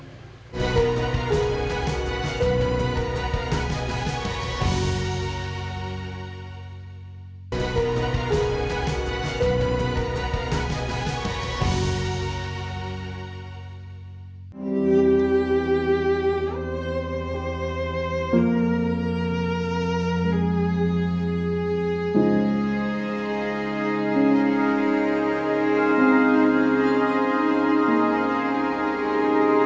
diantara tikker miotar